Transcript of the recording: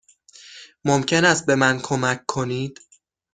ممکن است به من کمک کنید؟